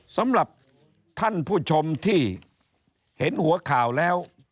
สำหรับท่านผู้ชมที่เห็นหัวข่าวแล้ว